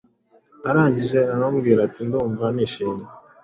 arangije aramubwira ati ndumva nishimye